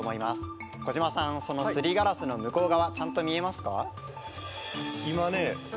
小島さんそのすりガラスの向こう側ちゃんと見えますか？